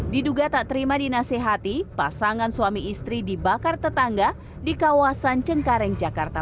diduga tak terima dinasehati pasangan suami istri dibakar tetangga di kawasan cengkareng jakarta